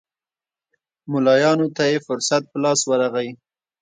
ملایانو ته یې فرصت په لاس ورغی.